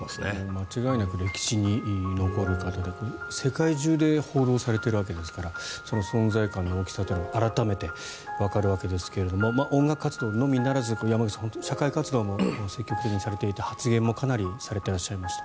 間違いなく歴史に残る方で世界中で報道されているわけですからその存在感の大きさというのが改めてわかるわけですが音楽活動のみならず社会活動も積極的にされていて発言もかなりされていらっしゃいました。